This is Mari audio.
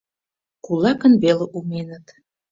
Кулакын веле уменыт